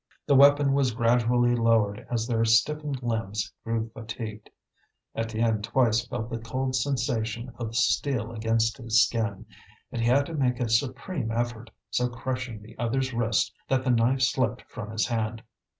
The weapon was gradually lowered as their stiffened limbs grew fatigued. Étienne twice felt the cold sensation of the steel against his skin; and he had to make a supreme effort, so crushing the other's wrist that the knife slipped from his hand.